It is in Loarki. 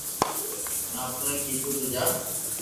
اينآ ڪيدو تو جا